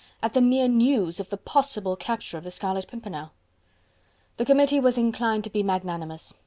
at the mere news of the possible capture of the Scarlet Pimpernel. The Committee was inclined to be magnanimous.